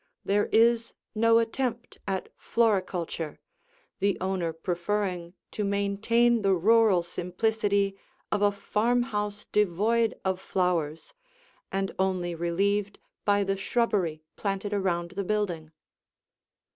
There is no attempt at floriculture, the owner preferring to maintain the rural simplicity of a farmhouse devoid of flowers and only relieved by the shrubbery planted around the building.